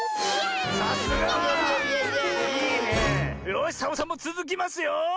よしサボさんもつづきますよ！